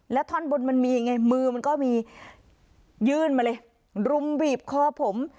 แล้วท่อนบนมันมีไงมือมันก็มียื่นมาเลยรุมบีบคอผม